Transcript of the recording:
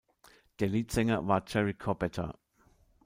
Der Leadsänger war Jerry Corbetta.